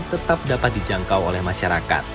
tetap dapat dijangkau oleh masyarakat